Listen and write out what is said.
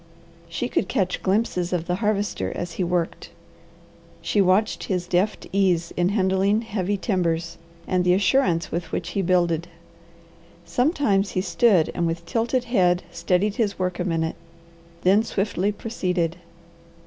She could catch glimpses of the Harvester as he worked. She watched his deft ease in handling heavy timbers, and the assurance with which he builded. Sometimes he stood and with tilted head studied his work a minute, then swiftly proceeded.